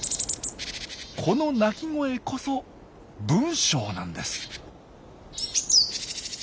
この鳴き声こそ文章なんです。